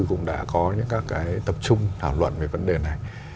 cũng đã có các tập trung thảo luận về vấn đề này